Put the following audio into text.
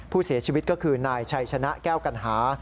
ผู้เสียชีวิตก็คือนายชัยชนะแก้วกัณหา